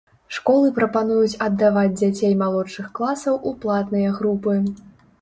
Школы прапануюць аддаваць дзяцей малодшых класаў у платныя групы.